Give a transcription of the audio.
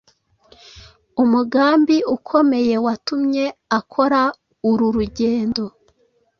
Umugambi ukomeye watumye akora uru rugendo,